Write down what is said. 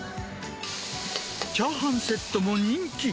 チャーハンセットも人気。